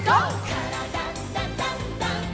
「からだダンダンダン」